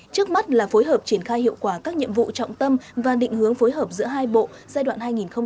trước mắt là phối hợp triển khai hiệu quả các nhiệm vụ trọng tâm và định hướng phối hợp giữa hai bộ giai đoạn hai nghìn hai mươi hai nghìn hai mươi năm